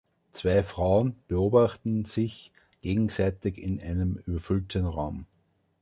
Zwei Frauen beobachten sich gegenseitig in einem überfüllten Raum.